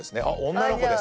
女の子です。